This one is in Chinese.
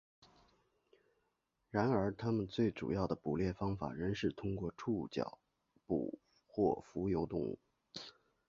然而它们最主要的捕猎方法仍然是通过触角捕获浮游动物。